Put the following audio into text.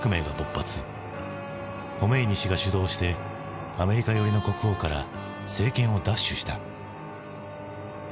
ホメイニ師が主導してアメリカ寄りの国王から政権を奪取した。